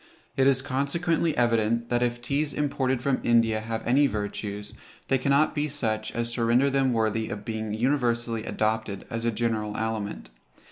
It is consequently evident, that if teas imported from India have any virtues, they cannot be such as to render them worthy of being universally adopted as a general aliment.